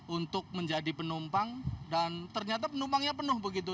untuk menjadi penumpang dan ternyata penumpangnya penuh begitu